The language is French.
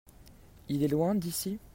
Il est loin d'ici ?